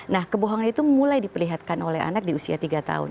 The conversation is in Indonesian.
nah kebohongan itu mulai diperlihatkan oleh anak di usia tiga tahun